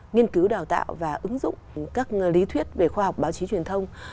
nghiên cứu đào tạo và ứng dụng các lý thuyết về khoa học báo chí truyền thông